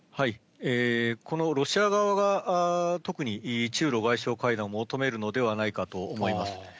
このロシア側が特に中ロ外相会談を求めるのではないかと思います。